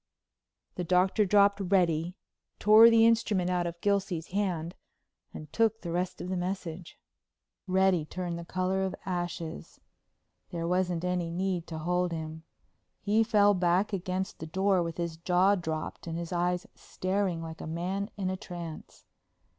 The Doctor dropped Reddy, tore the instrument out of Gilsey's hand and took the rest of the message. Reddy turned the color of ashes. There wasn't any need to hold him. He fell back against the door with his jaw dropped and his eyes staring like a man in a trance.